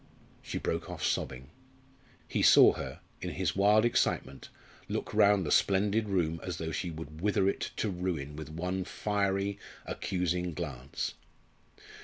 She broke off sobbing. He saw her, in her wild excitement, look round the splendid room as though she would wither it to ruin with one fiery, accusing glance.